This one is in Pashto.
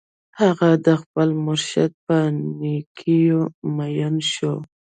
هغه د خپل مرشد په نېکیو مین شو